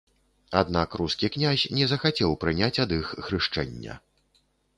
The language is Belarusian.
Аднак рускі князь не захацеў прыняць ад іх хрышчэння.